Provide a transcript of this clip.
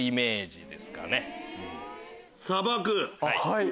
はい。